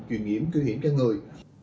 chuyển nhiễm cư hiểm cho người